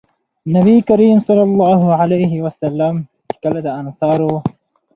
نبي کريم صلی الله عليه وسلم چې کله د انصارو